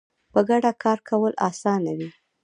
په ګډه کار کول اسانه وي